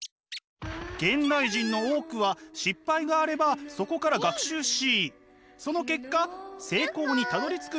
現代人の多くは失敗があればそこから学習しその結果成功にたどりつくべきだと考えています。